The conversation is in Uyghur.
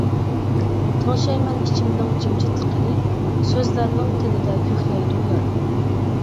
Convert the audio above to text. تىڭشايمەن ئىچىمنىڭ جىمجىتلىقىنى، سۆزلەرنىڭ تېنىدە كۆكلەيدۇ يارا.